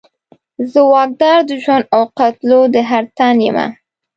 زه واکدار د ژوند او قتلولو د هر تن یمه